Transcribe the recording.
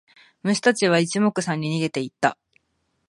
虫たちは一目散に逃げてった。